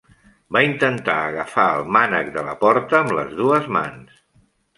Va intentar agafar el mànec de la porta amb les dues mans.